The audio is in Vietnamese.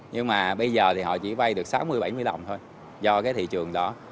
nhưng mà bây giờ thì họ chỉ vay được sáu mươi bảy mươi đồng thôi do cái thị trường đó